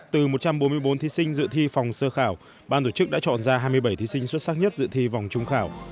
từ một trăm bốn mươi bốn thí sinh dự thi phòng sơ khảo ban tổ chức đã chọn ra hai mươi bảy thí sinh xuất sắc nhất dự thi vòng trung khảo